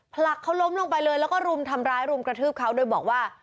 ผลักเขาล้มลงไปเลยแล้วก็รุมทำร้ายรุมกระทืบเขาโดยบอกว่า